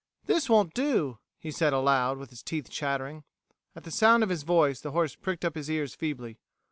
"This won't do," he said aloud, with his teeth chattering. At the sound of his voice the horse pricked up his ears feebly.